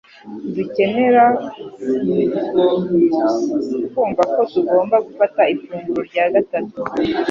ntidukenere kumva ko tugomba gufata ifunguro rya gatatu.